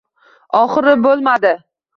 Oxiri bo‘lmadi.